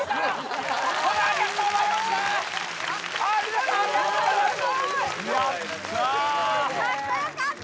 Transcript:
殿ありがとうございました！